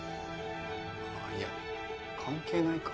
あいや関係ないか。